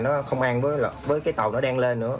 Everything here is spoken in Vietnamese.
nó không an với tàu nó đang lên nữa